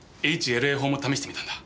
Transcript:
「ＨＬＡ法」も試してみたんだ。